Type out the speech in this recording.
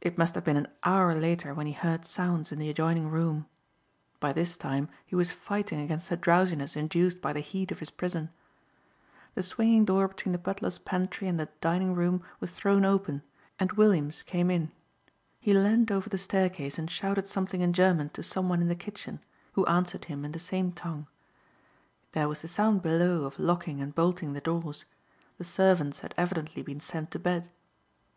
It must have been an hour later when he heard sounds in the adjoining room. By this time he was fighting against the drowsiness induced by the heat of his prison. The swinging door between the butler's pantry and the dining room was thrown open and Williams came in. He leaned over the staircase and shouted something in German to some one in the kitchen, who answered him in the same tongue. There was the sound below of locking and bolting the doors. The servants had evidently been sent to bed.